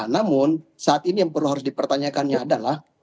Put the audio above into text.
namun saat ini yang perlu harus dipertanyakannya adalah